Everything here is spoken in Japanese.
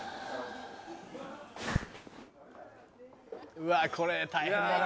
「うわこれ大変だな」